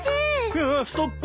わあストップ。